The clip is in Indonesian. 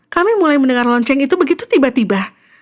kami mulai mendengar lonceng itu begitu tiba tiba